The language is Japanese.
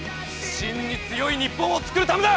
真に強い日本を作るためだ！